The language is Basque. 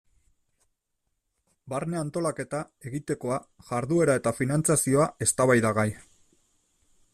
Barne antolaketa, egitekoa, jarduera eta finantzazioa eztabaidagai.